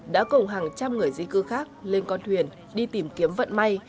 đã cùng hàng trăm người di cư khác lên con thuyền đi tìm kiếm vận may